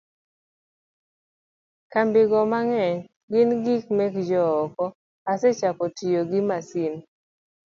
kambigo mang'eny gi gin mekjo oko, asechako gi tiyo gi masin